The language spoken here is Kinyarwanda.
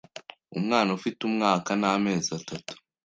Umwana ufite umwaka n’amezi atatu